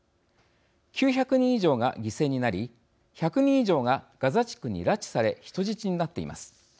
９００人以上が犠牲になり１００人以上がガザ地区に拉致され人質になっています。